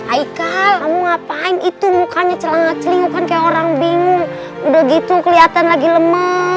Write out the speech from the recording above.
aikal kamu ngapain itu mukanya celangak celingukan kayak orang bingung udah gitu kelihatan lagi lemes banget emang kenapa